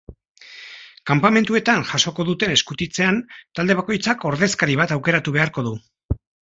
Kanpamentuetan jasoko duten eskutitzean talde bakoitzak ordezkari bat aukeratu beharko du.